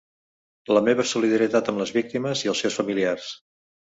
La meva solidaritat amb les víctimes i els seus familiars.